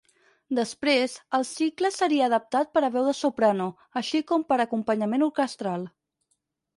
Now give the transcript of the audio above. Després, el cicle seria adaptat per a veu de soprano, així com per acompanyament orquestral.